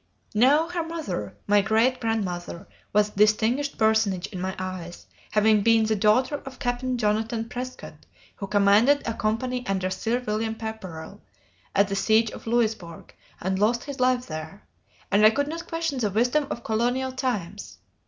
Now her mother, my great grandmother, was a distinguished personage in my eyes, having been the daughter of Captain Jonathan Prescott who commanded a company under Sir William Pepperell at the siege of Louisburg and lost his life there; and I could not question the wisdom of colonial times.